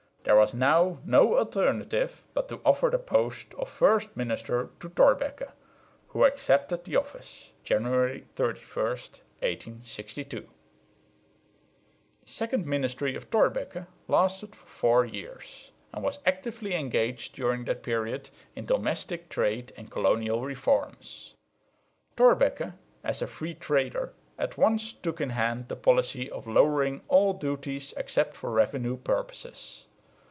There was now no alternative but to offer the post of first minister to Thorbecke, who accepted the office (January 31, 1862). The second ministry of Thorbecke lasted for four years, and was actively engaged during that period in domestic, trade and colonial reforms. Thorbecke, as a free trader, at once took in hand the policy of lowering all duties except for revenue purposes.